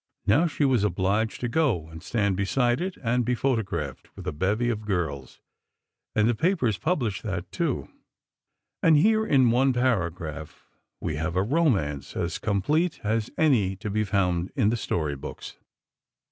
Now, she was obliged to go and stand beside it and be photographed, with a bevy of girls, and the papers published that, too. And here, in one paragraph, we have a romance as complete as any to be found in the story books.